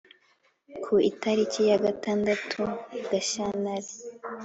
ku itariki ya gatadatu gashyantare